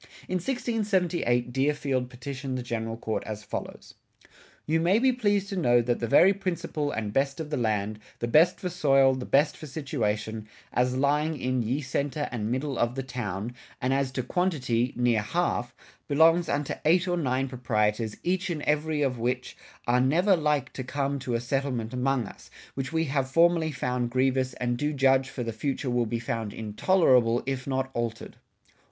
In 1678 Deerfield petitioned the General Court as follows: You may be pleased to know that the very principle & best of the land; the best for soile; the best for situation; as lying in y{e} centre & midle of the town: & as to quantity, nere half, belongs unto eight or 9 proprietors each and every of which, are never like to come to a settlement amongst us, which we have formerly found grievous & doe Judge for the future will be found intollerable if not altered.